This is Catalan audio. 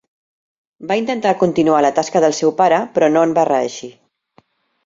Va intentar continuar la tasca del seu pare però no en va reeixir.